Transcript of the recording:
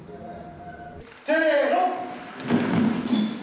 ・せの！